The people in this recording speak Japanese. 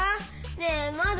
ねえまだ？